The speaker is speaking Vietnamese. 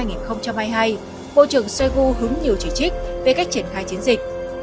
bộ trưởng shoigu hứng nhiều chỉ trích về cách triển khai chiến dịch